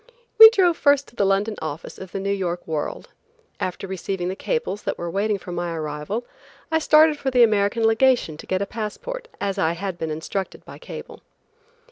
We drove first to the London office of the New York World. After receiving the cables that were waiting for my arrival, I started for the American Legation to get a passport as I had been instructed by cable.